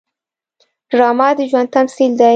ډرامه د ژوند تمثیل دی